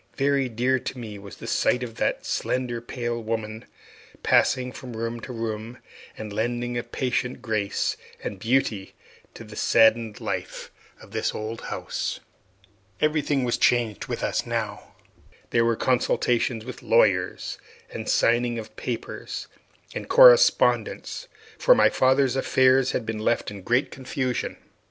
Very dear to me was the sight of that slender, pale woman passing from room to room, and lending a patient grace and beauty to the saddened life of the old house. Everything was changed with us now. There were consultations with lawyers, and signing of papers, and correspondence; for my father's affairs had been left in great confusion.